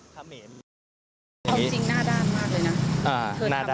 เขาจริงน่าด้านมากเลยนะ